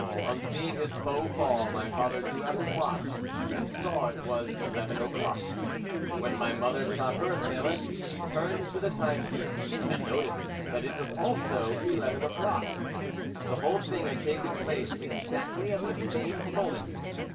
On seeing his foe fall, my father drew out his watch and saw it was eleven o'clock. When my mother shot her assailant she turned to the timepiece and noticed that it was also eleven o'clock. The whole thing had taken place exactly at the same moment.